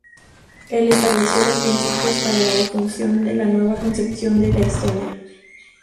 El estableció los principios para la difusión de la nueva concepción de historia.